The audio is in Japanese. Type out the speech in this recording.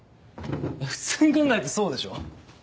普通に考えてそうでしょ。